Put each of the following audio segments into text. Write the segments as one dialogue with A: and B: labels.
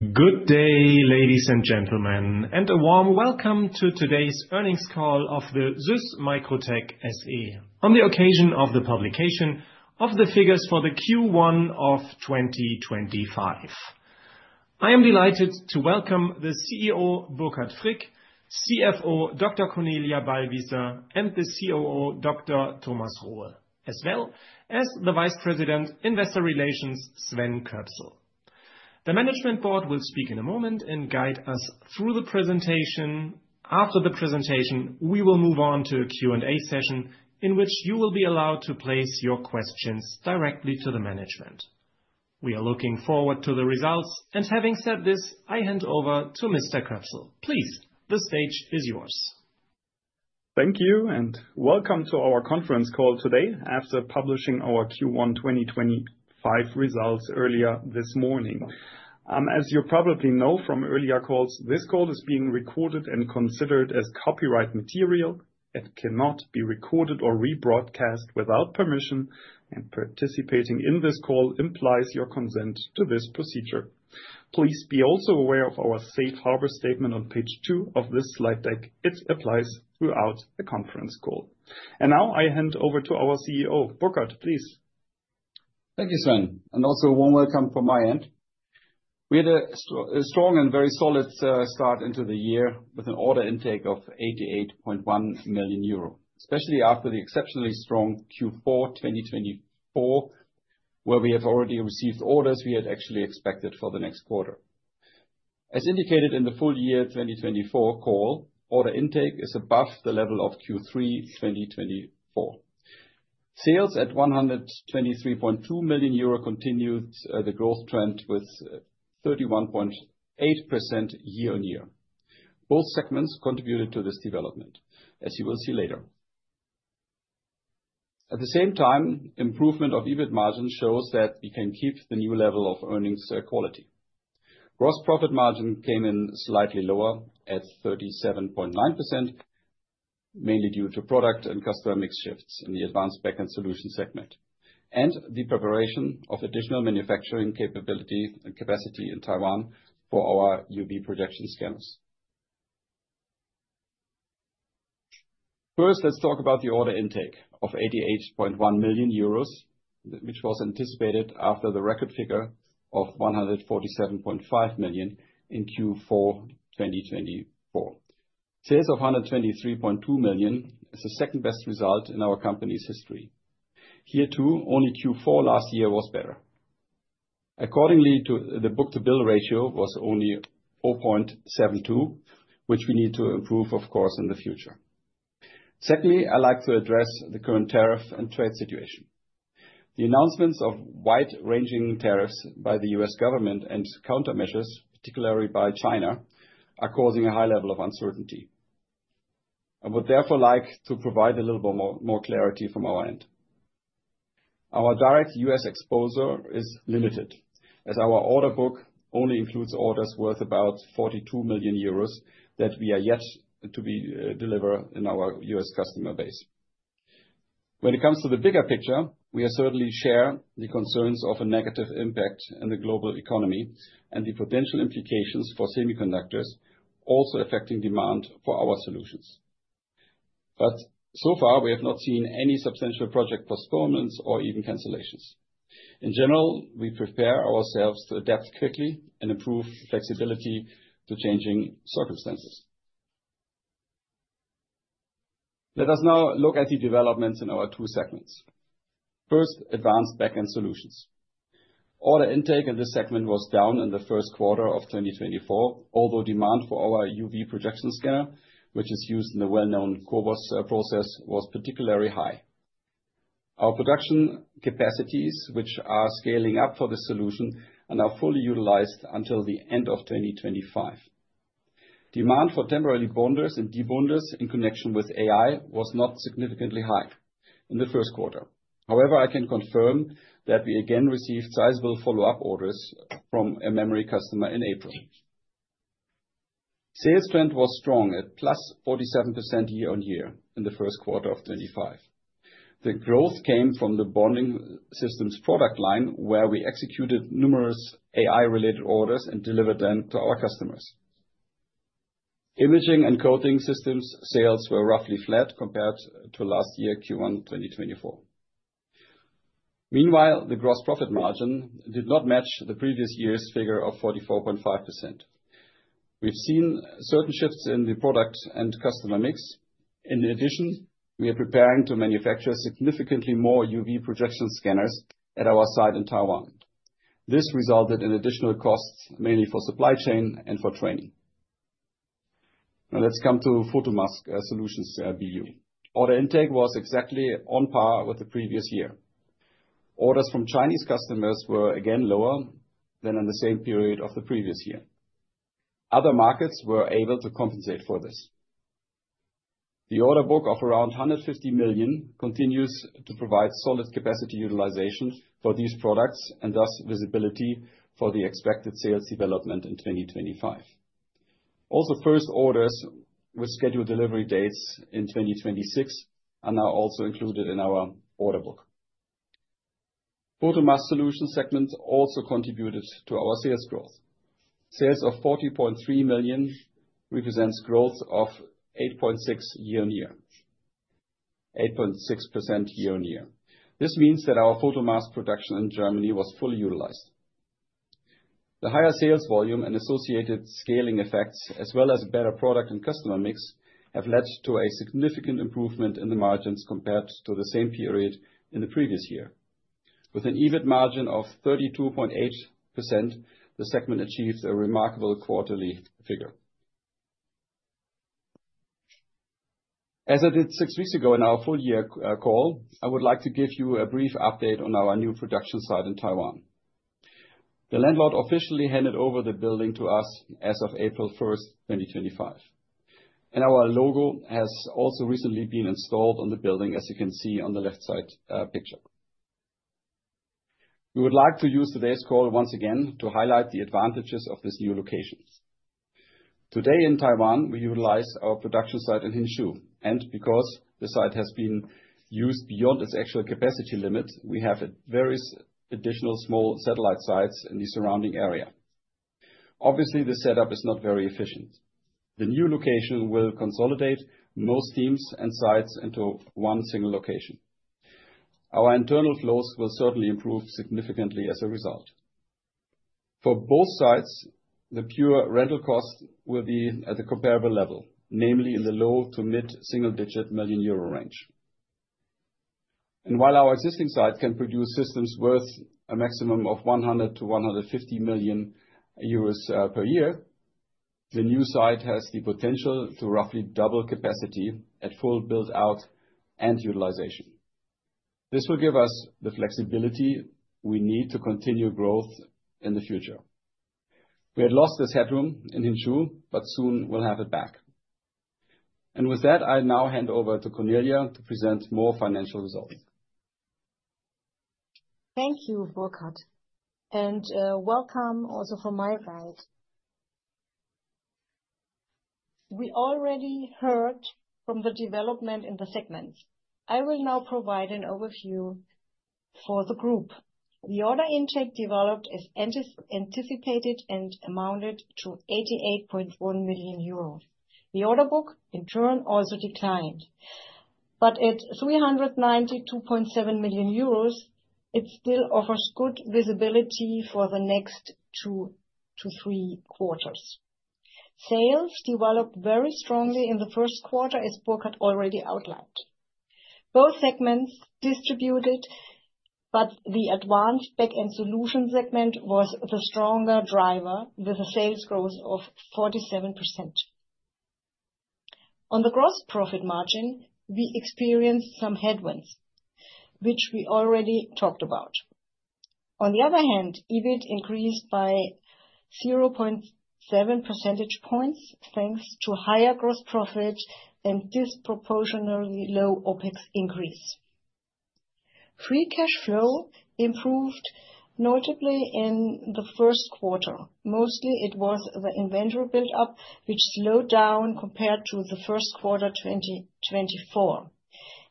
A: Good day, ladies and gentlemen, and a warm welcome to today's earnings call of SÜSS MicroTec SE, on the occasion of the publication of the figures for Q1 of 2025. I am delighted to welcome the CEO, Burkhardt Frick, CFO, Dr. Cornelia Ballwießer, and the COO, Dr. Thomas Rohe, as well as the Vice President, Investor Relations, Sven Köpsel. The Management Board will speak in a moment and guide us through the presentation. After the presentation, we will move on to a Q&A session in which you will be allowed to place your questions directly to the management. We are looking forward to the results, and having said this, I hand over to Mr. Köpsel. Please, the stage is yours.
B: Thank you, and welcome to our conference call today after publishing our Q1 2025 results earlier this morning. As you probably know from earlier calls, this call is being recorded and considered as copyright material. It cannot be recorded or rebroadcast without permission, and participating in this call implies your consent to this procedure. Please also be aware of our safe harbor statement on page two of this slide deck. It applies throughout the conference call. I now hand over to our CEO, Burkhardt, please.
C: Thank you, Sven, and also a warm welcome from my end. We had a strong and very solid start into the year with an order intake of 88.1 million euro, especially after the exceptionally strong Q4 2024, where we have already received orders we had actually expected for the next quarter. As indicated in the full year 2024 call, order intake is above the level of Q3 2024. Sales at 123.2 million euro continued the growth trend with 31.8% year-on-year. Both segments contributed to this development, as you will see later. At the same time, improvement of EBIT margin shows that we can keep the new level of earnings quality. Gross profit margin came in slightly lower at 37.9%, mainly due to product and customer mix shifts in the Advanced Backend Solution segment and the preparation of additional manufacturing capability and capacity in Taiwan for our UV projection scanners. First, let's talk about the order intake of 88.1 million euros, which was anticipated after the record figure of 147.5 million in Q4 2024. Sales of 123.2 million is the second best result in our company's history. Here, too, only Q4 last year was better. Accordingly, the book-to-bill ratio was only 0.72, which we need to improve, of course, in the future. Secondly, I'd like to address the current tariff and trade situation. The announcements of wide-ranging tariffs by the U.S. government and countermeasures, particularly by China, are causing a high level of uncertainty. I would therefore like to provide a little more clarity from our end. Our direct U.S. exposure is limited, as our order book only includes orders worth about 42 million euros that we are yet to deliver in our U.S. customer base. When it comes to the bigger picture, we certainly share the concerns of a negative impact in the global economy and the potential implications for semiconductors, also affecting demand for our solutions. However, so far, we have not seen any substantial project postponements or even cancellations. In general, we prepare ourselves to adapt quickly and improve flexibility to changing circumstances. Let us now look at the developments in our two segments. First, Advanced Backend Solutions. Order intake in this segment was down in the first quarter of 2024, although demand for our UV projection scanner, which is used in the well-known CoWoS process, was particularly high. Our production capacities, which are scaling up for the solution, are now fully utilized until the end of 2025. Demand for temporary bonders and debonders in connection with AI was not significantly high in the first quarter. However, I can confirm that we again received sizable follow-up orders from a memory customer in April. Sales trend was strong at +47% year-on-year in the first quarter of 2025. The growth came from the bonding systems product line, where we executed numerous AI-related orders and delivered them to our customers. Imaging and coating systems sales were roughly flat compared to last year, Q1 2024. Meanwhile, the gross profit margin did not match the previous year's figure of 44.5%. We've seen certain shifts in the product and customer mix. In addition, we are preparing to manufacture significantly more UV projection scanners at our site in Taiwan. This resulted in additional costs, mainly for supply chain and for training. Now let's come to Photomask Solutions BU. Order intake was exactly on par with the previous year. Orders from Chinese customers were again lower than in the same period of the previous year. Other markets were able to compensate for this. The order book of around 150 million continues to provide solid capacity utilization for these products and thus visibility for the expected sales development in 2025. Also, first orders with scheduled delivery dates in 2026 are now also included in our order book. Photomask Solution segment also contributed to our sales growth. Sales of 40.3 million represents growth of 8.6% year on year. This means that our Photomask production in Germany was fully utilized. The higher sales volume and associated scaling effects, as well as better product and customer mix, have led to a significant improvement in the margins compared to the same period in the previous year. With an EBIT margin of 32.8%, the segment achieved a remarkable quarterly figure. As I did six weeks ago in our full year call, I would like to give you a brief update on our new production site in Taiwan. The landlord officially handed over the building to us as of April 1st, 2025. Our logo has also recently been installed on the building, as you can see on the left side picture. We would like to use today's call once again to highlight the advantages of this new location. Today in Taiwan, we utilize our production site in Hsinchu, and because the site has been used beyond its actual capacity limit, we have various additional small satellite sites in the surrounding area. Obviously, the setup is not very efficient. The new location will consolidate most teams and sites into one single location. Our internal flows will certainly improve significantly as a result. For both sides, the pure rental cost will be at a comparable level, namely in the low to mid single-digit million EUR range. While our existing site can produce systems worth a maximum of 100 million-150 million euros per year, the new site has the potential to roughly double capacity at full build-out and utilization. This will give us the flexibility we need to continue growth in the future. We had lost this headroom in Hsinchu, but soon we will have it back. With that, I now hand over to Cornelia to present more financial results.
D: Thank you, Burkhardt, and welcome also from my side. We already heard from the development in the segments. I will now provide an overview for the group. The order intake developed as anticipated and amounted to 88.1 million euro. The order book, in turn, also declined. At 392.7 million euros, it still offers good visibility for the next two to three quarters. Sales developed very strongly in the first quarter, as Burkhardt already outlined. Both segments contributed, but the Advanced Backend Solution segment was the stronger driver with a sales growth of 47%. On the gross profit margin, we experienced some headwinds, which we already talked about. On the other hand, EBIT increased by 0.7 percentage points thanks to higher gross profit and disproportionately low OpEx increase. Free cash flow improved notably in the first quarter. Mostly, it was the inventory build-up, which slowed down compared to the first quarter 2024.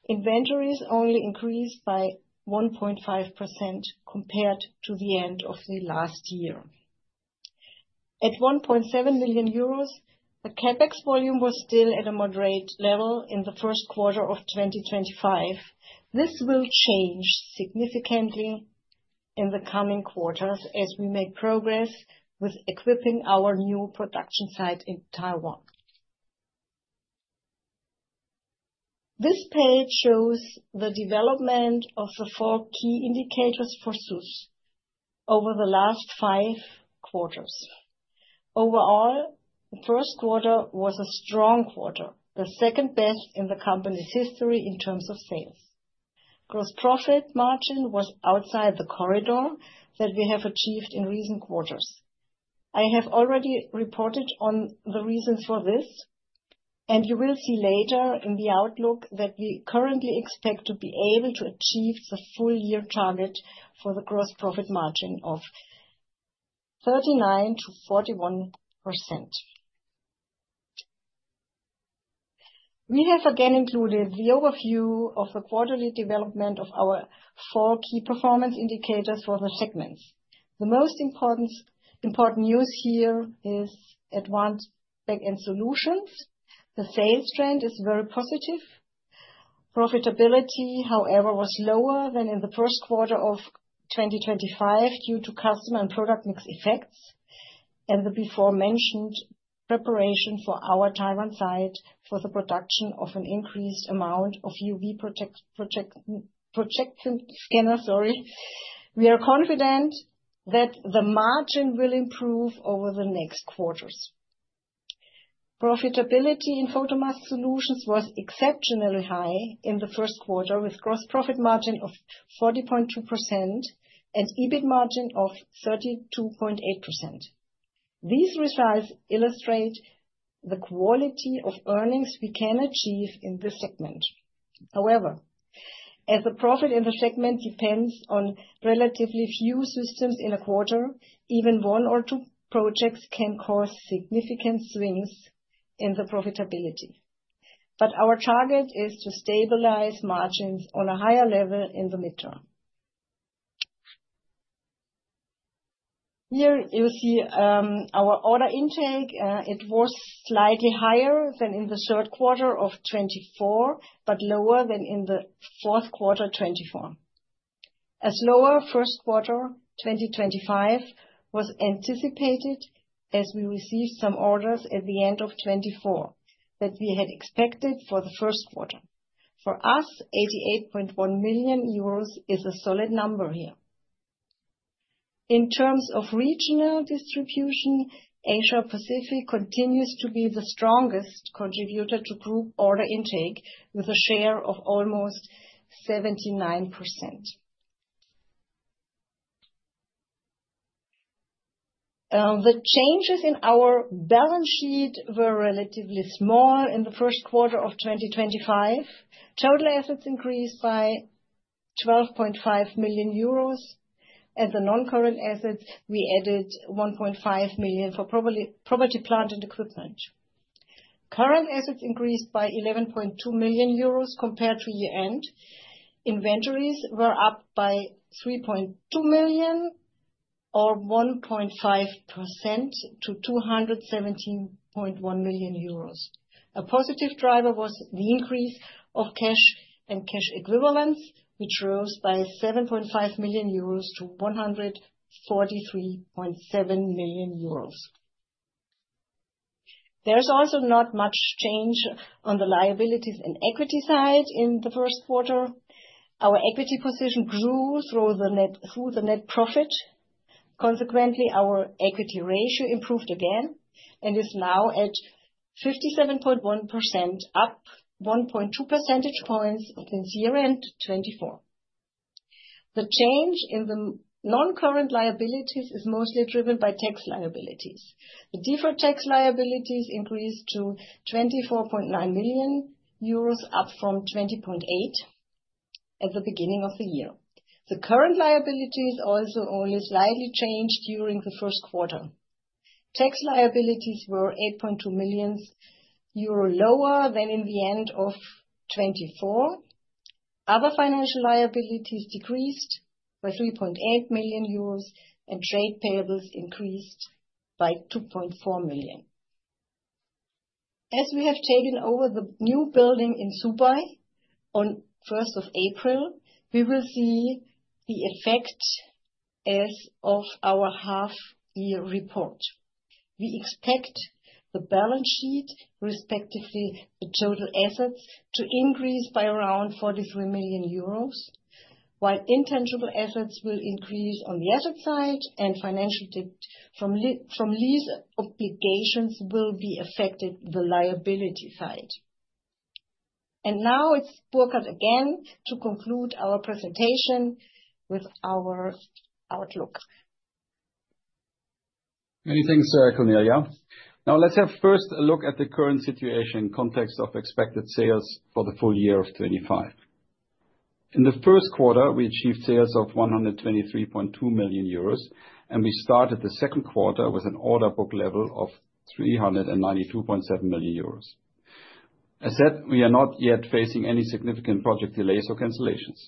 D: Inventories only increased by 1.5% compared to the end of the last year. At 1.7 million euros, the CapEx volume was still at a moderate level in the first quarter of 2025. This will change significantly in the coming quarters as we make progress with equipping our new production site in Taiwan. This page shows the development of the four key indicators for SÜSS over the last five quarters. Overall, the first quarter was a strong quarter, the second best in the company's history in terms of sales. Gross profit margin was outside the corridor that we have achieved in recent quarters. I have already reported on the reasons for this, and you will see later in the outlook that we currently expect to be able to achieve the full year target for the gross profit margin of 39%-41%. We have again included the overview of the quarterly development of our four key performance indicators for the segments. The most important news here is Advanced Backend Solutions. The sales trend is very positive. Profitability, however, was lower than in the first quarter of 2025 due to customer and product mix effects and the before-mentioned preparation for our Taiwan site for the production of an increased amount of UV projection scanners. We are confident that the margin will improve over the next quarters. Profitability in Photomask Solutions was exceptionally high in the first quarter, with gross profit margin of 40.2% and EBIT margin of 32.8%. These results illustrate the quality of earnings we can achieve in this segment. However, as the profit in the segment depends on relatively few systems in a quarter, even one or two projects can cause significant swings in the profitability. Our target is to stabilize margins on a higher level in the midterm. Here you see our order intake. It was slightly higher than in the third quarter of 2024, but lower than in the fourth quarter 2024. A slower first quarter 2025 was anticipated as we received some orders at the end of 2024 that we had expected for the first quarter. For us, 88.1 million euros is a solid number here. In terms of regional distribution, Asia-Pacific continues to be the strongest contributor to group order intake, with a share of almost 79%. The changes in our balance sheet were relatively small in the first quarter of 2025. Total assets increased by 12.5 million euros. At the non-current assets, we added 1.5 million for property plant and equipment. Current assets increased by 11.2 million euros compared to year-end. Inventories were up by 3.2 million, or 1.5%, to 217.1 million euros. A positive driver was the increase of cash and cash equivalents, which rose by 7.5 million euros to 143.7 million euros. There's also not much change on the liabilities and equity side in the first quarter. Our equity position grew through the net profit. Consequently, our equity ratio improved again and is now at 57.1%, up 1.2 percentage points since year-end 2024. The change in the non-current liabilities is mostly driven by tax liabilities. The deferred tax liabilities increased to 24.9 million euros, up from 20.8 million at the beginning of the year. The current liabilities also only slightly changed during the first quarter. Tax liabilities were 8.2 million euro lower than in the end of 2024. Other financial liabilities decreased by 3.8 million euros and trade payables increased by 2.4 million. As we have taken over the new building in Subai on the 1st of April, we will see the effect as of our half-year report. We expect the balance sheet, respectively the total assets, to increase by around 43 million euros, while intangible assets will increase on the asset side and financial debt from lease obligations will be affected on the liability side. Now it's Burkhardt again to conclude our presentation with our outlook.
C: Many thanks, Cornelia. Now let's have first a look at the current situation context of expected sales for the full year of 2025. In the first quarter, we achieved sales of 123.2 million euros, and we started the second quarter with an order book level of 392.7 million euros. As said, we are not yet facing any significant project delays or cancellations.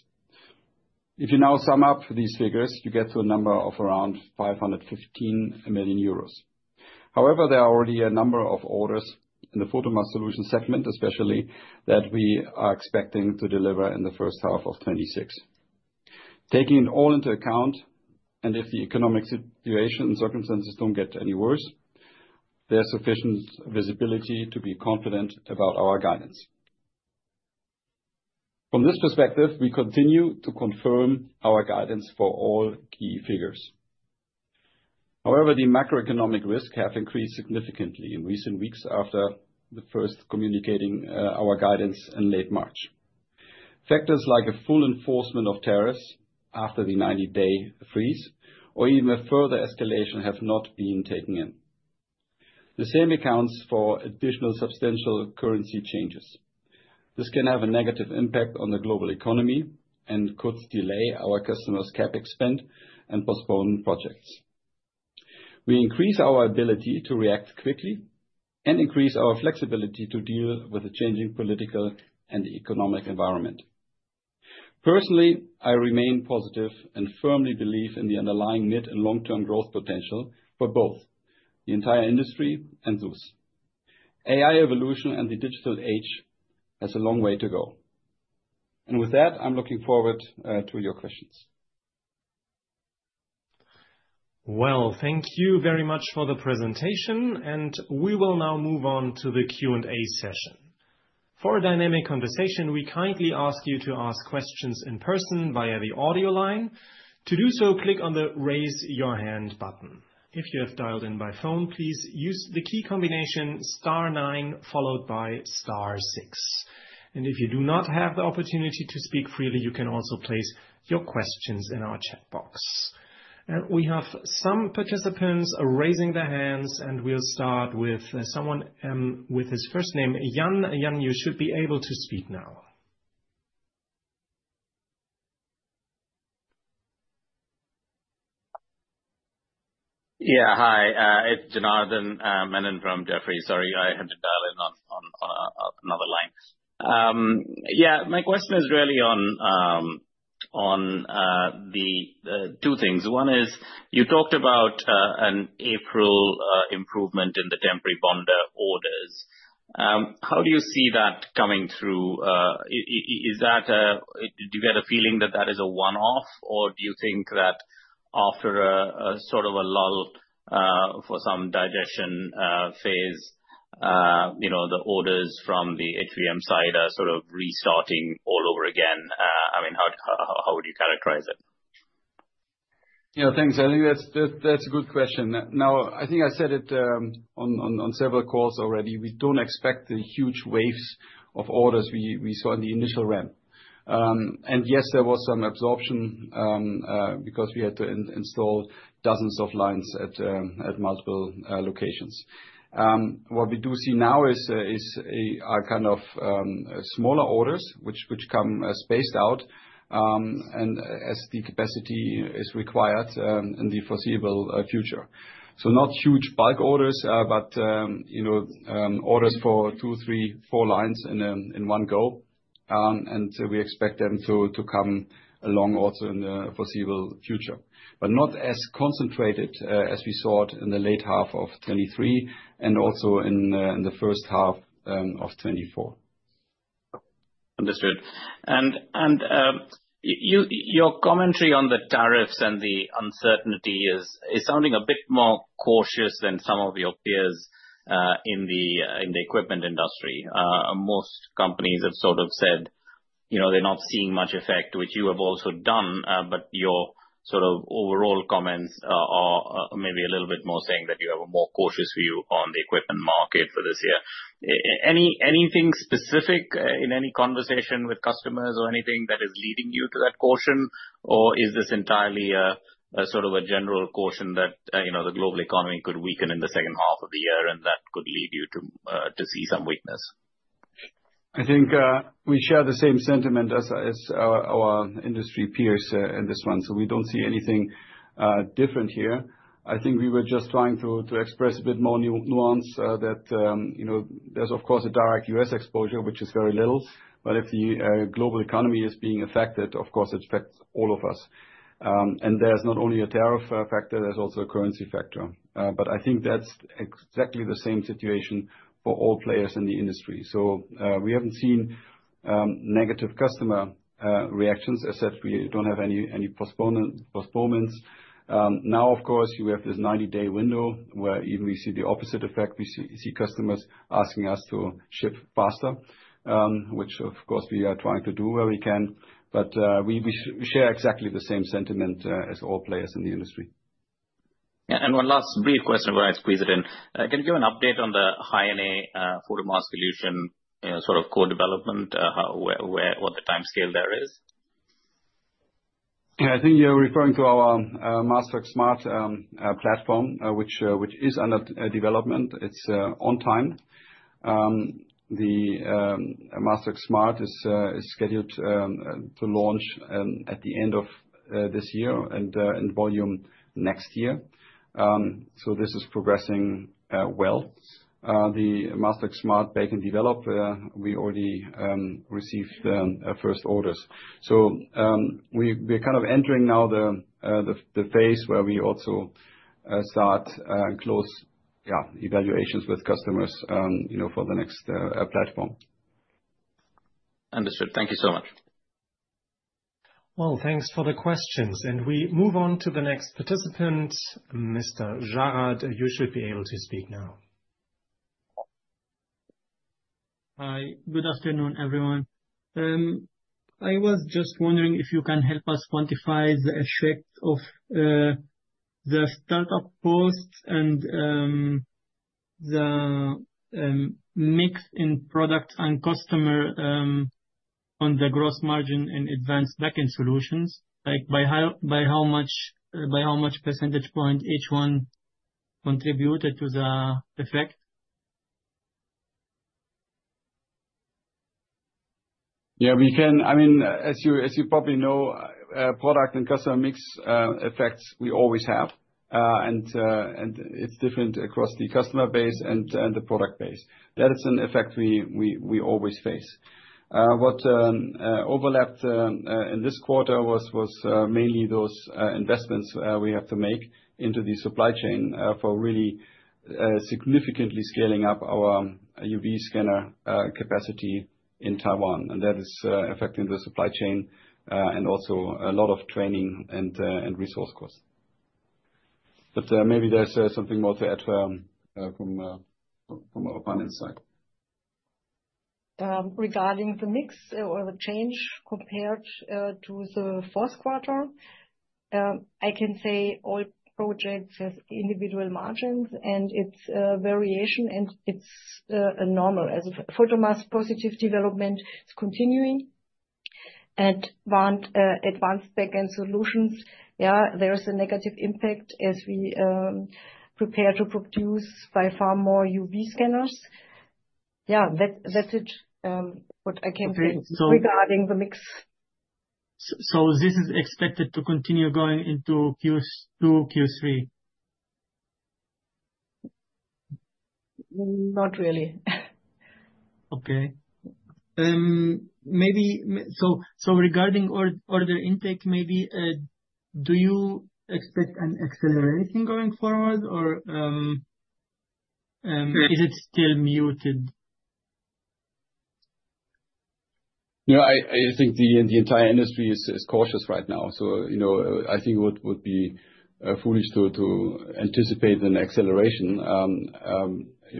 C: If you now sum up these figures, you get to a number of around 515 million euros. However, there are already a number of orders in the Photomask Solution segment, especially that we are expecting to deliver in the first half of 2026. Taking it all into account, and if the economic situation and circumstances don't get any worse, there's sufficient visibility to be confident about our guidance. From this perspective, we continue to confirm our guidance for all key figures. However, the macroeconomic risks have increased significantly in recent weeks after first communicating our guidance in late March. Factors like a full enforcement of tariffs after the 90-day freeze or even a further escalation have not been taken in. The same accounts for additional substantial currency changes. This can have a negative impact on the global economy and could delay our customers' CapEx spend and postpone projects. We increase our ability to react quickly and increase our flexibility to deal with the changing political and economic environment. Personally, I remain positive and firmly believe in the underlying mid and long-term growth potential for both the entire industry and SÜSS. AI evolution and the digital age has a long way to go. With that, I'm looking forward to your questions.
A: Thank you very much for the presentation. We will now move on to the Q&A session. For a dynamic conversation, we kindly ask you to ask questions in person via the audio line. To do so, click on the Raise Your Hand button. If you have dialed in by phone, please use the key combination star nine followed by star six. If you do not have the opportunity to speak freely, you can also place your questions in our chat box. We have some participants raising their hands, and we'll start with someone with his first name, Jan. Jan, you should be able to speak now.
E: Yeah, hi. It's Janardan Menon from Jefferies. Sorry, I had to dial in on another line. Yeah, my question is really on two things. One is you talked about an April improvement in the temporary bonder orders. How do you see that coming through? Do you get a feeling that that is a one-off, or do you think that after a sort of a lull for some digestion phase, the orders from the HVM side are sort of restarting all over again? I mean, how would you characterize it?
C: Yeah, thanks. I think that's a good question. Now, I think I said it on several calls already. We do not expect the huge waves of orders we saw in the initial ramp. Yes, there was some absorption because we had to install dozens of lines at multiple locations. What we do see now are kind of smaller orders which come spaced out as the capacity is required in the foreseeable future. Not huge bulk orders, but orders for two, three, four lines in one go. We expect them to come along also in the foreseeable future, but not as concentrated as we saw it in the late half of 2023 and also in the first half of 2024.
E: Understood. Your commentary on the tariffs and the uncertainty is sounding a bit more cautious than some of your peers in the equipment industry. Most companies have sort of said they are not seeing much effect, which you have also done, but your sort of overall comments are maybe a little bit more saying that you have a more cautious view on the equipment market for this year. Anything specific in any conversation with customers or anything that is leading you to that caution, or is this entirely sort of a general caution that the global economy could weaken in the second half of the year and that could lead you to see some weakness?
C: I think we share the same sentiment as our industry peers in this one, so we do not see anything different here. I think we were just trying to express a bit more nuance that there is, of course, a direct U.S. exposure, which is very little, but if the global economy is being affected, of course, it affects all of us. There is not only a tariff factor, there is also a currency factor. I think that is exactly the same situation for all players in the industry. We have not seen negative customer reactions. As said, we do not have any postponements. Now, of course, we have this 90-day window where even we see the opposite effect. We see customers asking us to ship faster, which, of course, we are trying to do where we can, but we share exactly the same sentiment as all players in the industry.
E: Yeah, and one last brief question before I squeeze it in. Can you give an update on the high-end Photomask sSlution sort of co-development, what the timescale there is?
C: Yeah, I think you're referring to our MaskTrack Smart platform, which is under development. It's on time. The MaskTrack Smart is scheduled to launch at the end of this year and in volume next year. This is progressing well. The MaskTrack Smart Bake and Develop, we already received the first orders. We're kind of entering now the phase where we also start and close evaluations with customers for the next platform.
E: Understood. Thank you so much.
A: Thank you for the questions. We move on to the next participant, Mr. Jarad, you should be able to speak now. Hi, good afternoon, everyone. I was just wondering if you can help us quantify the effect of the startup costs and the mix in product and customer on the gross margin in Advanced Backend Solutions, like by how much percentage point each one contributed to the effect?
C: Yeah, we can. I mean, as you probably know, product and customer mix effects we always have, and it's different across the customer base and the product base. That is an effect we always face. What overlapped in this quarter was mainly those investments we have to make into the supply chain for really significantly scaling up our UV scanner capacity in Taiwan, and that is affecting the supply chain and also a lot of training and resource costs. Maybe there's something more to add from our panel side.
D: Regarding the mix or the change compared to the fourth quarter, I can say all projects have individual margins, and it's a variation, and it's normal. As Photomask positive development is continuing and Advanced Backend Solutions, yeah, there's a negative impact as we prepare to produce by far more UV scanners. Yeah, that's it, what I can say regarding the mix. This is expected to continue going into Q2, Q3? Not really. Okay. So regarding order intake, maybe, do you expect an acceleration going forward, or is it still muted?
C: I think the entire industry is cautious right now. I think it would be foolish to anticipate an acceleration,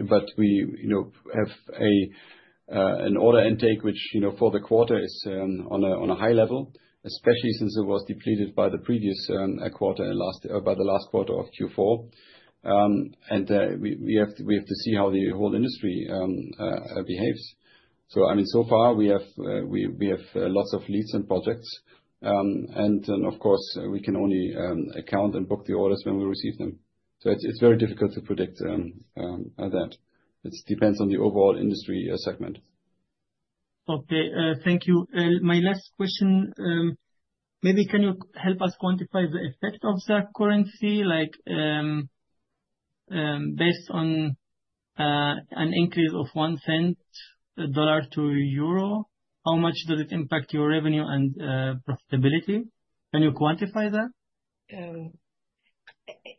C: but we have an order intake, which for the quarter is on a high level, especially since it was depleted by the previous quarter, by the last quarter of Q4. We have to see how the whole industry behaves. I mean, so far, we have lots of leads and projects. Of course, we can only count and book the orders when we receive them. It is very difficult to predict that. It depends on the overall industry segment. Okay, thank you. My last question, maybe can you help us quantify the effect of the currency based on an increase of one cent, dollar to euro? How much does it impact your revenue and profitability? Can you quantify that?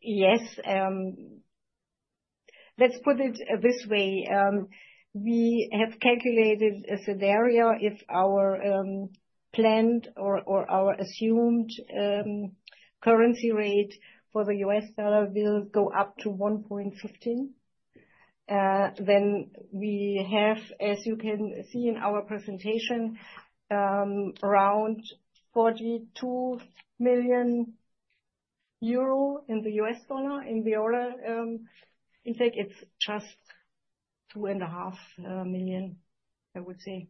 D: Yes. Let's put it this way. We have calculated a scenario if our planned or our assumed currency rate for the U.S. dollar will go up to 1.15, then we have, as you can see in our presentation, around 42 million euro in the U.S. dollar in the order. In fact, it's just 2.5 million, I would say,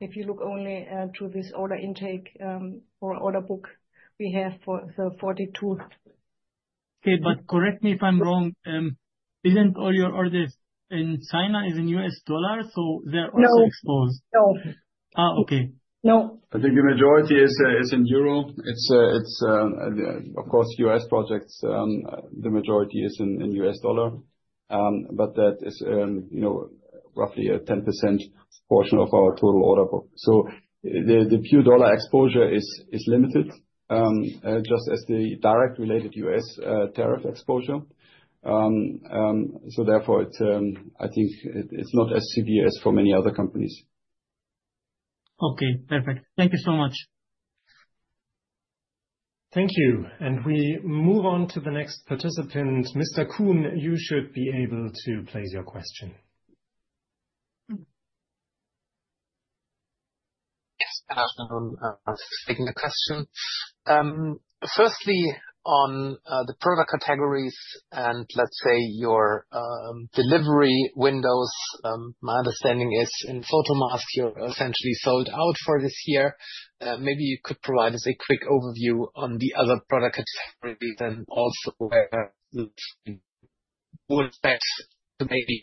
D: if you look only to this order intake or order book we have for the 42 million. Okay, but correct me if I'm wrong. Isn't all your orders in China in U.S. dollars, so they're also exposed? No. Oh, okay. No.
C: I think the majority is in euro. It's, of course, U.S. projects. The majority is in U.S. dollar, but that is roughly a 10% portion of our total order book. So the pure dollar exposure is limited, just as the direct related U.S. tariff exposure. Therefore, I think it's not as severe as for many other companies. Okay, perfect. Thank you so much.
A: Thank you. We move on to the next participant. Mr. Kuhn, you should be able to place your question. Yes, good afternoon. I'm taking the question. Firstly, on the product categories and let's say your delivery windows, my understanding is in Photomask, you're essentially sold out for this year. Maybe you could provide us a quick overview on the other product categories and also what's best to maybe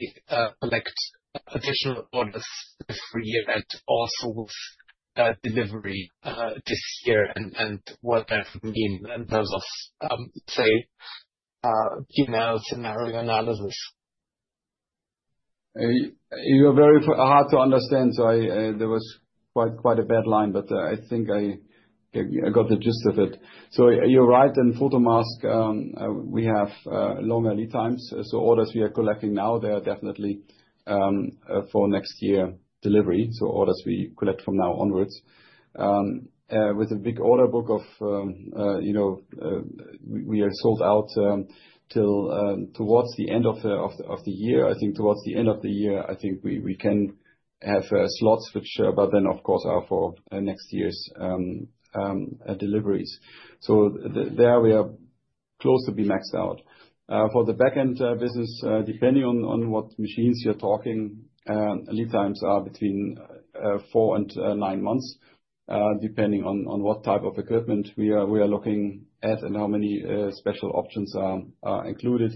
A: collect additional orders every year and also with delivery this year and what that means in terms of, say, P&L scenario analysis?
C: You're very hard to understand, so there was quite a bad line, but I think I got the gist of it. You're right, in Photomask, we have longer lead times. Orders we are collecting now are definitely for next year delivery. Orders we collect from now onwards, with a big order book, we are sold out till towards the end of the year. I think towards the end of the year, we can have slots, which by then, of course, are for next year's deliveries. There we are close to being maxed out. For the Backend business, depending on what machines you're talking about, lead times are between four and nine months, depending on what type of equipment we are looking at and how many special options are included.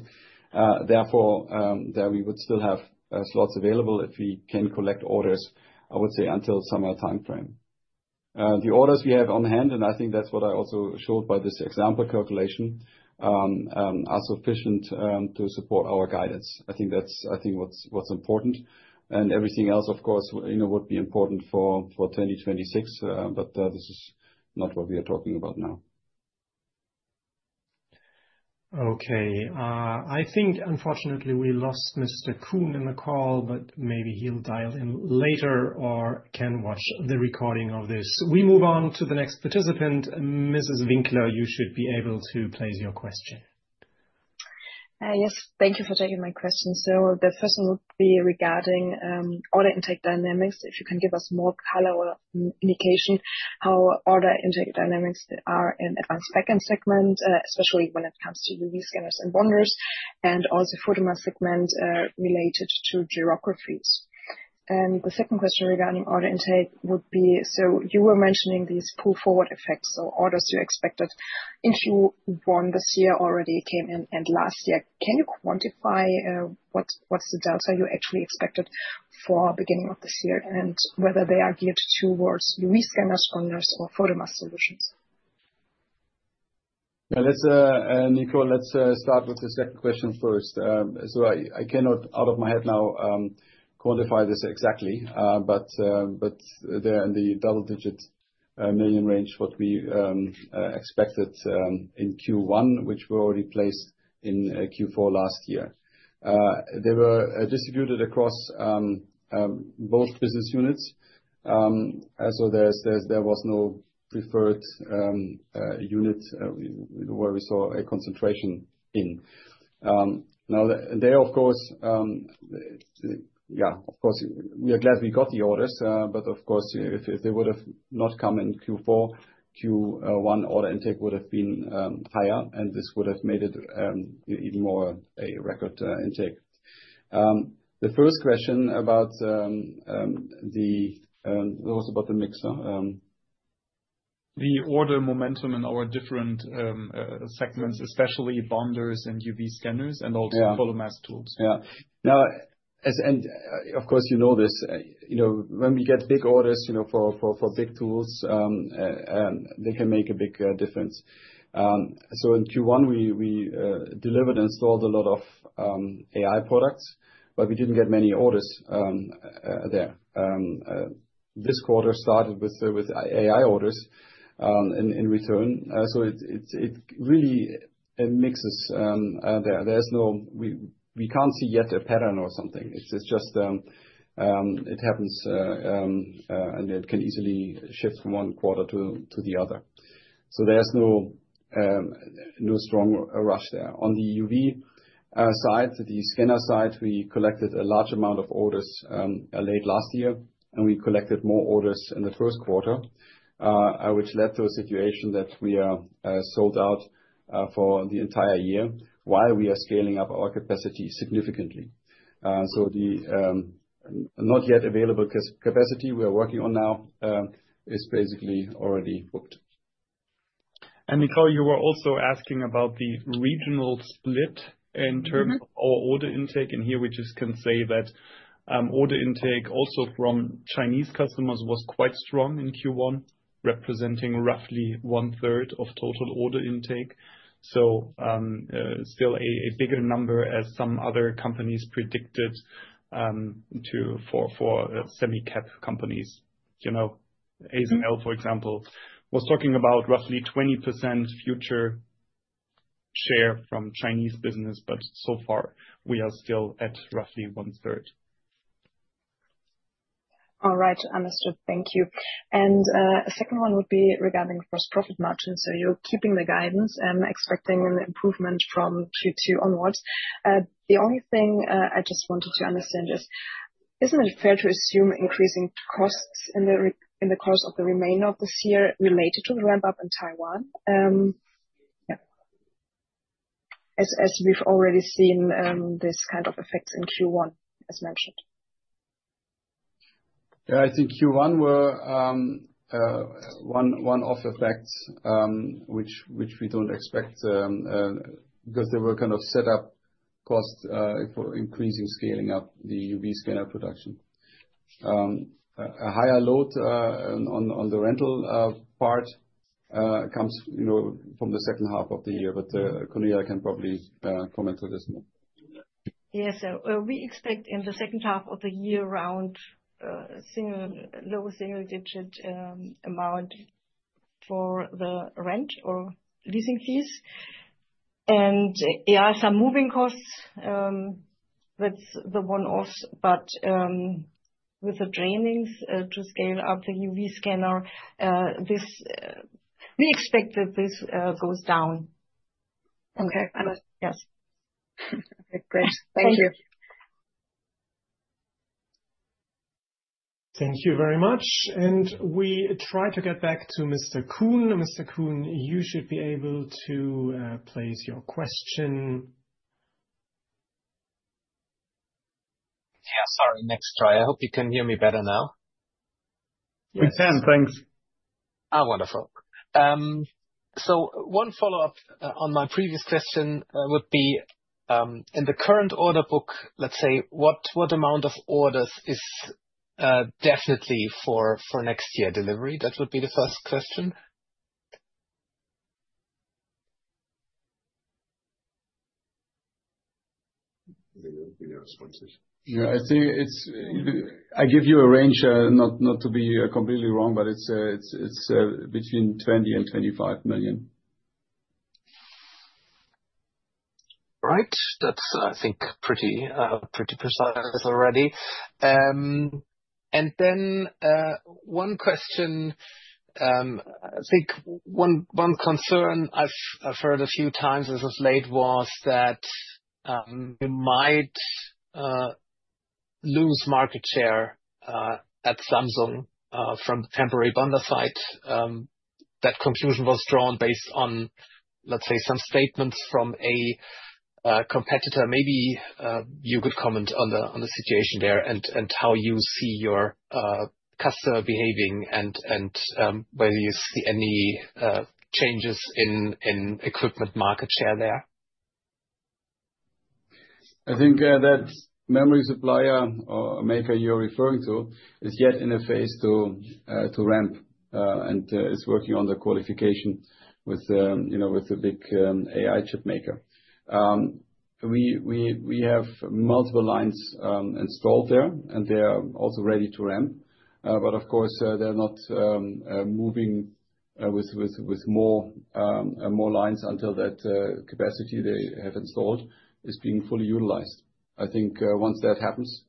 C: Therefore, there we would still have slots available if we can collect orders, I would say, until summer timeframe. The orders we have on hand, and I think that's what I also showed by this example calculation, are sufficient to support our guidance. I think that's what's important. Everything else, of course, would be important for 2026, but this is not what we are talking about now.
A: Okay. I think, unfortunately, we lost Mr. Kuhn in the call, but maybe he'll dial in later or can watch the recording of this. We move on to the next participant. Mrs. Winkler, you should be able to place your question. Yes, thank you for taking my question. The first one would be regarding order intake dynamics. If you can give us more color or indication how order intake dynamics are in advanced backend segment, especially when it comes to UV scanners and bonders, and also Photomask segment related to geographies. The second question regarding order intake would be, you were mentioning these pull-forward effects, so orders you expected. If you won this year already, came in, and last year, can you quantify what's the delta you actually expected for beginning of this year and whether they are geared towards UV scanners, bonders, or Photomask Solutions?
C: Yeah, Nicole, let's start with the second question first. I cannot, out of my head now, quantify this exactly, but they're in the double-digit million range, what we expected in Q1, which were already placed in Q4 last year. They were distributed across both business units, so there was no preferred unit where we saw a concentration in. Of course, we are glad we got the orders, but if they would have not come in Q4, Q1 order intake would have been higher, and this would have made it even more a record intake. The first question about the mixer. The order momentum in our different segments, especially bonders and UV scanners and also photomask tools. Yeah. Now, and of course, you know this, when we get big orders for big tools, they can make a big difference. In Q1, we delivered and sold a lot of AI products, but we did not get many orders there. This quarter started with AI orders in return. It really mixes. There is no, we cannot see yet a pattern or something. It just happens, and it can easily shift from one quarter to the other. There is no strong rush there. On the UV side, the scanner side, we collected a large amount of orders late last year, and we collected more orders in the first quarter, which led to a situation that we are sold out for the entire year while we are scaling up our capacity significantly. The not yet available capacity we are working on now is basically already booked. Nicole, you were also asking about the regional split in terms of our order intake. Here, we just can say that order intake also from Chinese customers was quite strong in Q1, representing roughly 1/3 of total order intake. Still a bigger number as some other companies predicted for semi-cap companies. ASML, for example, was talking about roughly 20% future share from Chinese business, but so far, we are still at roughly 1/3. All right, understood. Thank you. The second one would be regarding gross profit margin. You're keeping the guidance and expecting an improvement from Q2 onwards. The only thing I just wanted to understand is, isn't it fair to assume increasing costs in the course of the remainder of this year related to the ramp-up in Taiwan? As we've already seen this kind of effects in Q1, as mentioned. Yeah, I think Q1 were one-off effects, which we do not expect because they were kind of set-up costs for increasing, scaling up the UV scanner production. A higher load on the rental part comes from the second half of the year, but Cornelia can probably comment on this more.
D: Yes, so we expect in the second half of the year around lower single-digit amount for the rent or leasing fees. Yeah, some moving costs, that's the one-offs, but with the trainings to scale up the UV scanner, we expect that this goes down. Yes. Okay, great. Thank you.
A: Thank you very much. We try to get back to Mr. Kuhn. Mr. Kuhn, you should be able to place your question. Yeah, sorry, next try. I hope you can hear me better now. We can, thanks. Oh, wonderful. One follow-up on my previous question would be, in the current order book, let's say, what amount of orders is definitely for next year delivery? That would be the first question.
C: Yeah, I think I give you a range, not to be completely wrong, but it's between 20 million and 25 million. Right. That's, I think, pretty precise already. Then one question, I think one concern I've heard a few times as of late was that you might lose market share at Samsung from temporary bondersite. That conclusion was drawn based on, let's say, some statements from a competitor. Maybe you could comment on the situation there and how you see your customer behaving and whether you see any changes in equipment market share there. I think that memory supplier or maker you're referring to is yet in a phase to ramp and is working on the qualification with the big AI chip maker. We have multiple lines installed there, and they are also ready to ramp. Of course, they're not moving with more lines until that capacity they have installed is being fully utilized. I think once that happens,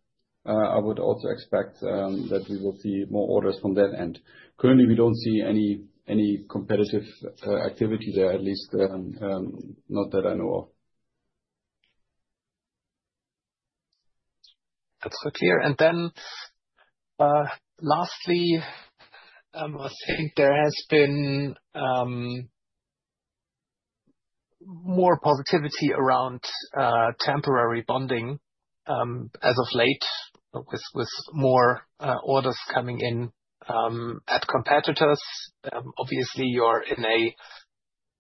C: I would also expect that we will see more orders from that end. Currently, we don't see any competitive activity there, at least not that I know of. That's so clear. Lastly, I think there has been more positivity around temporary bonding as of late with more orders coming in at competitors. Obviously, you're in a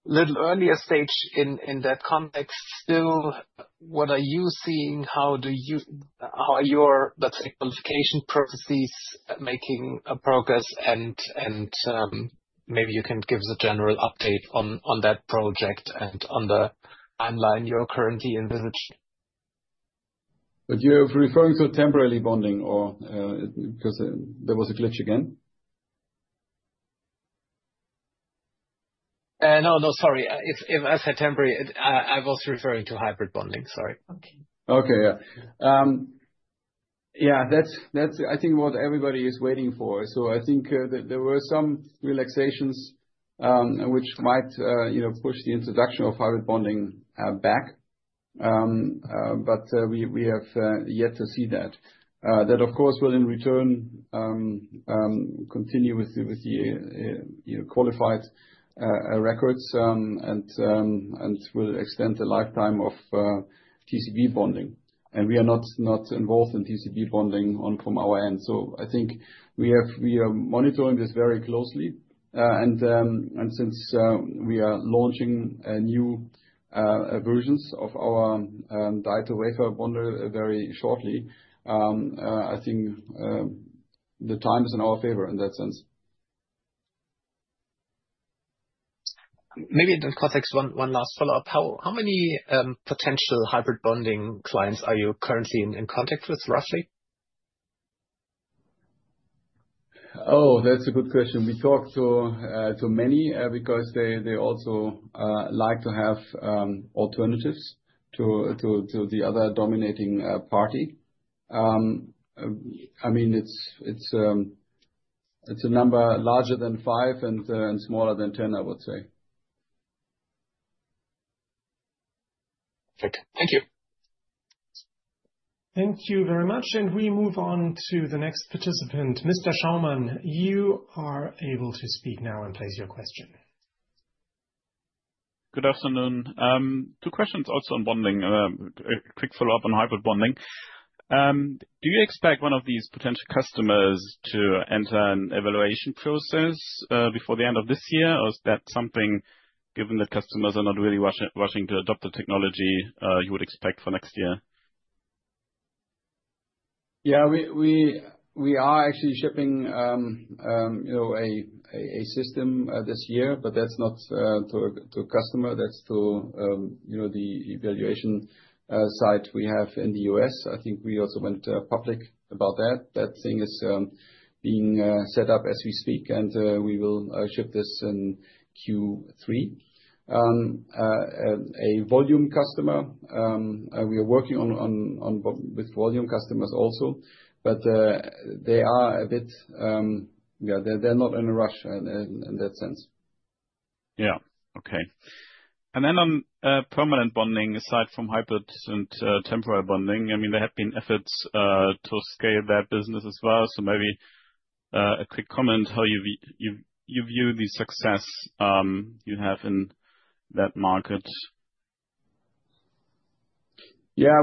C: little earlier stage in that context. Still, what are you seeing? How are your, let's say, qualification processes making progress? Maybe you can give us a general update on that project and on the timeline you're currently envisaging. You're referring to temporary bonding or because there was a glitch again? No, no, sorry. If I said temporary, I was referring to hybrid bonding. Sorry. Okay. Yeah, yeah, that's, I think, what everybody is waiting for. I think there were some relaxations which might push the introduction of hybrid bonding back, but we have yet to see that. That, of course, will in return continue with the qualified records and will extend the lifetime of TCB bonding. We are not involved in TCB bonding from our end. I think we are monitoring this very closely. Since we are launching new versions of our Dieter Wafer Bonder very shortly, I think the time is in our favor in that sense. Maybe in the context, one last follow-up. How many potential hybrid bonding clients are you currently in contact with, roughly? Oh, that's a good question. We talk to many because they also like to have alternatives to the other dominating party. I mean, it's a number larger than five and smaller than ten, I would say. Perfect. Thank you.
A: Thank you very much. We move on to the next participant. Mr. Schaumann, you are able to speak now and place your question. Good afternoon. Two questions also on bonding. A quick follow-up on hybrid bonding. Do you expect one of these potential customers to enter an evaluation process before the end of this year? Or is that something, given that customers are not really rushing to adopt the technology, you would expect for next year?
C: Yeah, we are actually shipping a system this year, but that's not to a customer. That's to the evaluation site we have in the U.S. I think we also went public about that. That thing is being set up as we speak, and we will ship this in Q3. A volume customer, we are working with volume customers also, but they are a bit, yeah, they're not in a rush in that sense. Yeah. Okay. And then on permanent bonding, aside from hybrid and temporary bonding, I mean, there have been efforts to scale that business as well. Maybe a quick comment, how you view the success you have in that market? Yeah,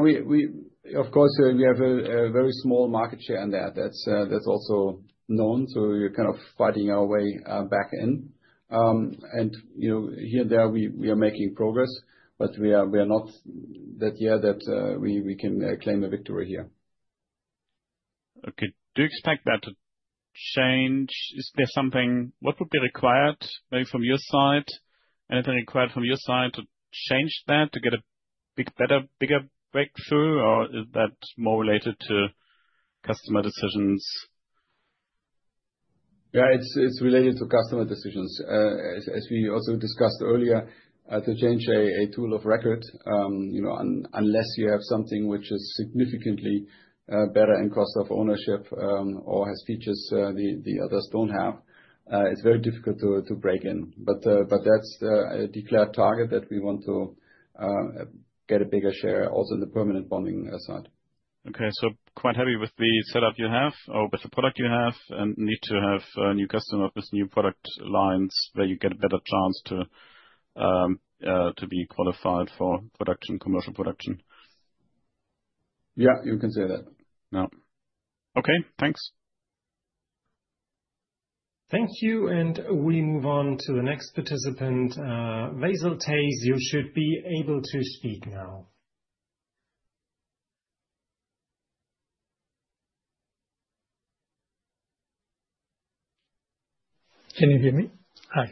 C: of course, we have a very small market share in that. That's also known. So we're kind of fighting our way back in. Here and there, we are making progress, but we are not yet at the point that we can claim a victory here. Okay. Do you expect that to change? Is there something what would be required maybe from your side? Anything required from your side to change that, to get a bigger breakthrough, or is that more related to customer decisions? Yeah, it's related to customer decisions. As we also discussed earlier, to change a tool of record, unless you have something which is significantly better in cost of ownership or has features the others do not have, it's very difficult to break in. That is a declared target that we want to get a bigger share also in the permanent bonding side. Okay. Quite happy with the setup you have or with the product you have and need to have new customers with new product lines where you get a better chance to be qualified for production, commercial production. Yeah, you can say that. No. Okay. Thanks.
A: Thank you. We move on to the next participant, Vasil Teys. You should be able to speak now. Can you hear me?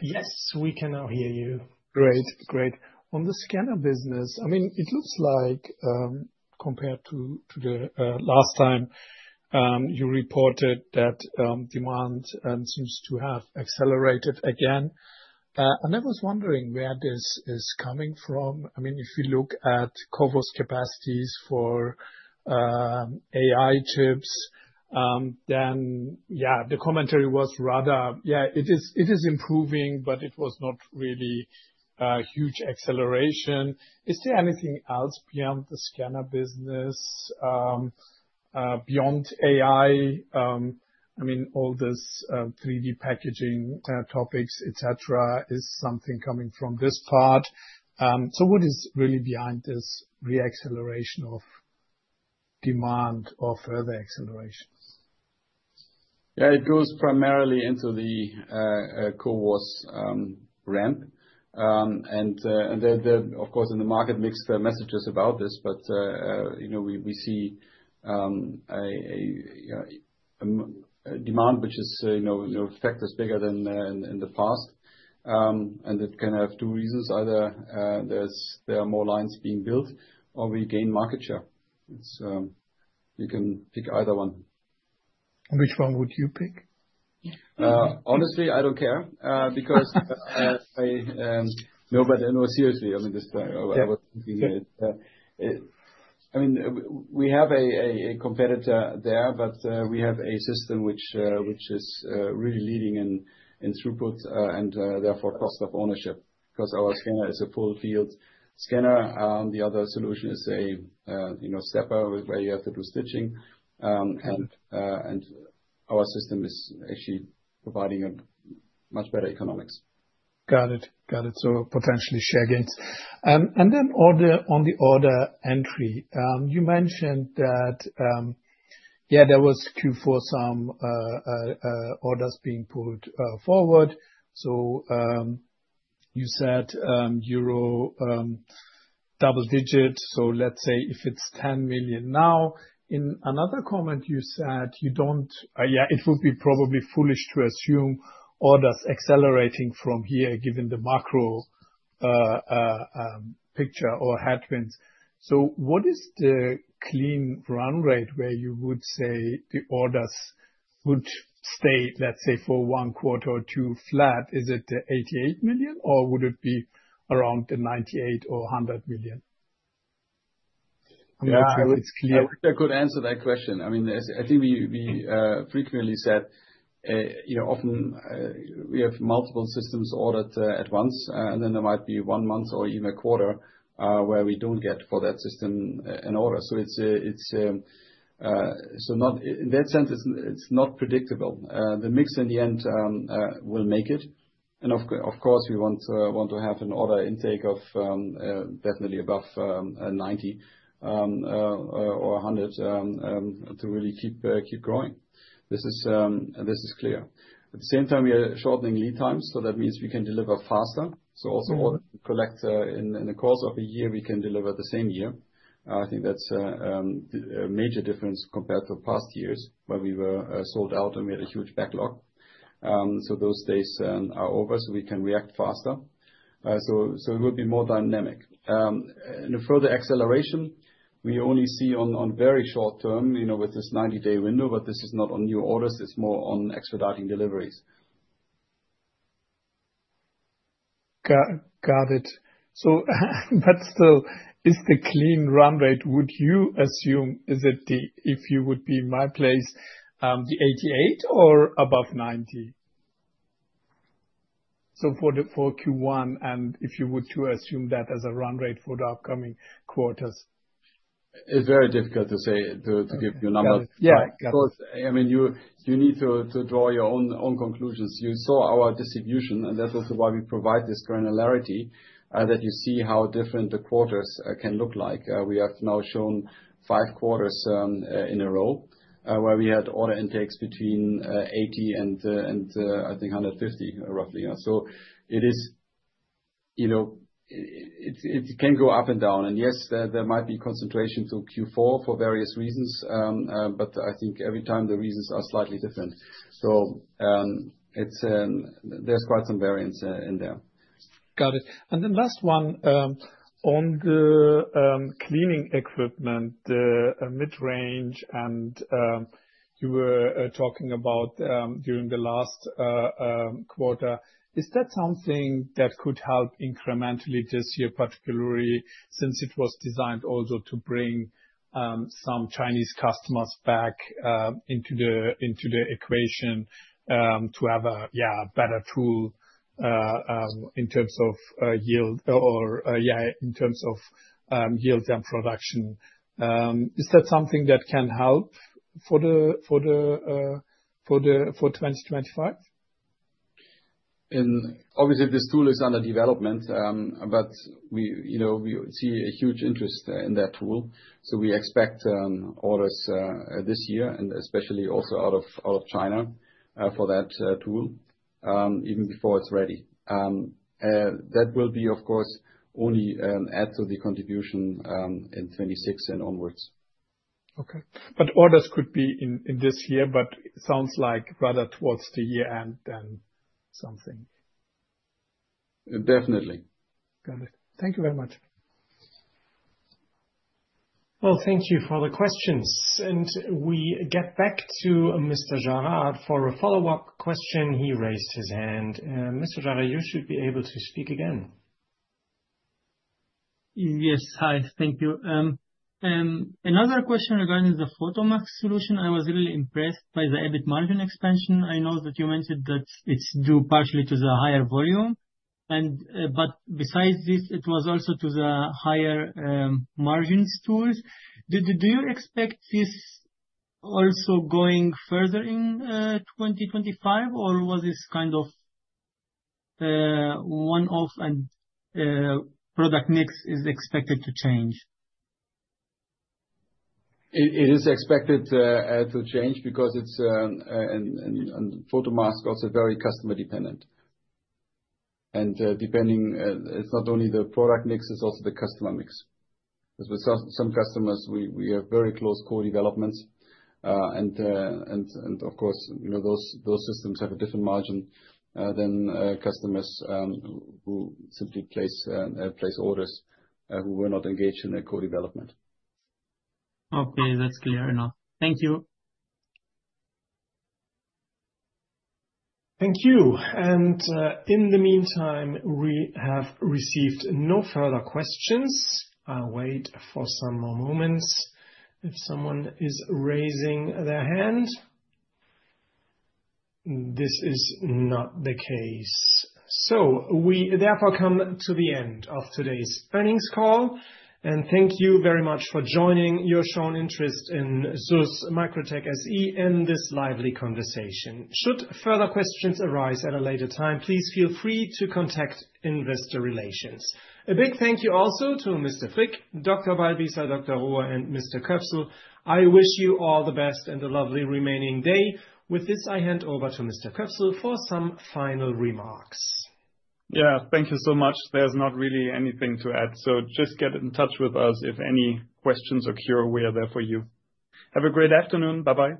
A: Yes, we can now hear you. Great. Great. On the scanner business, I mean, it looks like compared to the last time, you reported that demand seems to have accelerated again. I was wondering where this is coming from. I mean, if you look at CoWoS capacities for AI chips, then yeah, the commentary was rather, yeah, it is improving, but it was not really a huge acceleration. Is there anything else beyond the scanner business, beyond AI? I mean, all this 3D packaging topics, etc., is something coming from this part. What is really behind this re-acceleration of demand or further acceleration?
C: Yeah, it goes primarily into the CoWoS ramp. Of course, in the market, mixed messages about this, but we see a demand which is a factor bigger than in the past. It can have two reasons. Either there are more lines being built or we gain market share. You can pick either one. Which one would you pick? Honestly, I don't care because nobody knows seriously. I mean, we have a competitor there, but we have a system which is really leading in throughput and therefore cost of ownership because our scanner is a full-field scanner. The other solution is a stepper where you have to do stitching. Our system is actually providing much better economics. Got it. Got it. So potentially share gains. And then on the order entry, you mentioned that, yeah, there was Q4 some orders being pulled forward. You said EUR double-digit. Let's say if it's 10 million now. In another comment, you said you don't, yeah, it would be probably foolish to assume orders accelerating from here given the macro picture or headwinds. What is the clean run rate where you would say the orders would stay, let's say, for one quarter or two flat? Is it 88 million, or would it be around the 98 million or 100 million? I'm not sure if it's clear. I wish I could answer that question. I mean, I think we frequently said often we have multiple systems ordered at once, and then there might be one month or even a quarter where we do not get for that system an order. In that sense, it is not predictable. The mix in the end will make it. Of course, we want to have an order intake of definitely above 90 million or 100 million to really keep growing. This is clear. At the same time, we are shortening lead times, so that means we can deliver faster. Also, collect in the course of a year, we can deliver the same year. I think that is a major difference compared to past years where we were sold out and we had a huge backlog. Those days are over, so we can react faster. It would be more dynamic. Further acceleration, we only see on very short term with this 90-day window, but this is not on new orders. It is more on expediting deliveries. Got it. But still, is the clean run rate, would you assume, if you would be in my place, the 88 million or above 90 million? For Q1, and if you were to assume that as a run rate for the upcoming quarters. It's very difficult to say, to give you a number. Yeah. Got it. Of course, I mean, you need to draw your own conclusions. You saw our distribution, and that is also why we provide this granularity, that you see how different the quarters can look like. We have now shown five quarters in a row where we had order intakes between 80 million and, I think, 150 million roughly. It can go up and down. Yes, there might be concentration to Q4 for various reasons, but I think every time the reasons are slightly different. There is quite some variance in there. Got it. Last one, on the cleaning equipment, mid-range, and you were talking about during the last quarter. Is that something that could help incrementally this year, particularly since it was designed also to bring some Chinese customers back into the equation to have a better tool in terms of yield or, yeah, in terms of yield and production? Is that something that can help for 2025? Obviously, this tool is under development, but we see a huge interest in that tool. We expect orders this year, and especially also out of China for that tool, even before it is ready. That will, of course, only add to the contribution in 2026 and onwards. Okay. Orders could be in this year, but it sounds like rather towards the year-end than something. Definitely. Got it. Thank you very much.
A: Thank you for the questions. We get back to Mr. Jarad for a follow-up question. He raised his hand. Mr. Jarad, you should be able to speak again. Yes. Hi. Thank you. Another question regarding the Photomask Solution. I was really impressed by the EBIT margin expansion. I know that you mentioned that it's due partially to the higher volume. Besides this, it was also to the higher margin tools. Do you expect this also going further in 2025, or was this kind of one-off and product mix is expected to change?
C: It is expected to change because Photomask is also very customer-dependent. It is not only the product mix, it is also the customer mix. Because with some customers, we have very close core developments. Of course, those systems have a different margin than customers who simply place orders who were not engaged in a core development. Okay. That's clear enough. Thank you.
A: Thank you. In the meantime, we have received no further questions. I'll wait for some more moments if someone is raising their hand. This is not the case. We therefore come to the end of today's earnings call. Thank you very much for joining. You've shown interest in SÜSS MicroTec SE and this lively conversation. Should further questions arise at a later time, please feel free to contact Investor Relations. A big thank you also to Mr. Frick, Dr. Ballwießer, Dr. Rohe, and Mr. Köpsel. I wish you all the best and a lovely remaining day. With this, I hand over to Mr. Köpsel for some final remarks.
B: Yeah. Thank you so much. There's not really anything to add. So just get in touch with us. If any questions occur, we are there for you. Have a great afternoon. Bye-bye.